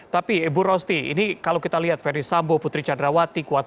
tapi ibu rosti ini kalau kita lihat ferry sambo putri candrawat